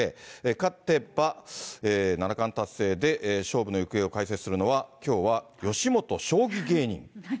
勝てば七冠達成で、勝負の行方を解説するのは、きょうは、よしもと将棋芸人。